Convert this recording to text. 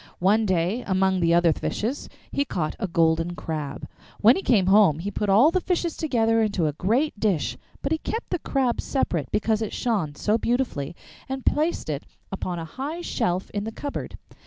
One day, among the other fishes, he caught a golden crab. When he came home he put all the fishes together into a great dish, but he kept the Crab separate because it shone so beautifully, and placed it upon a high shelf in the cupboard.